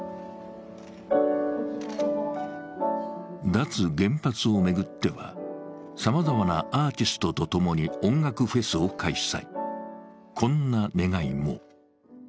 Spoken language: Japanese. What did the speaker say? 脱原発を巡っては、さまざまなアーティストとともに音楽フェスを開催。